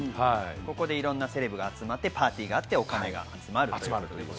いろんなセレブが集まってパーティーがあって、お金が集まるんですよね。